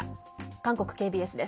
韓国ＫＢＳです。